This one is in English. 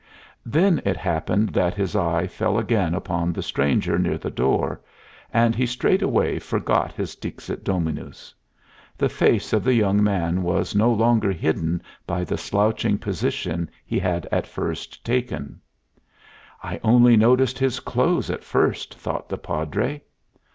Then it happened that his eye fell again upon the stranger near the door, and he straightway forgot his Dixit Dominus. The face of the young man was no longer hidden by the slouching position he had at first taken. "I only noticed his clothes at first," thought the Padre.